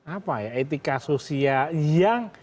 apa ya etika sosial yang